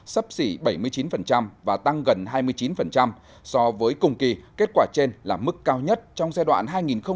sấp xỉ bảy mươi chín và tăng gần hai mươi chín so với cùng kỳ kết quả trên là mức cao nhất trong giai đoạn hai nghìn một mươi sáu hai nghìn hai mươi